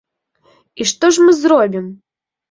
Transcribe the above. І што ж мы зробім?